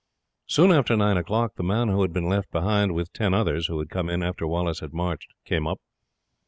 Soon after nine o'clock the man who had been left behind, with ten others, who had come in after Wallace had marched, came up.